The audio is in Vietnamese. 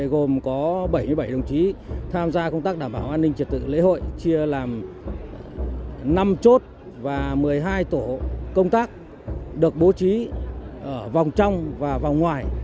gồm có bảy mươi bảy đồng chí tham gia công tác đảm bảo an ninh trật tự lễ hội chia làm năm chốt và một mươi hai tổ công tác được bố trí ở vòng trong và vòng ngoài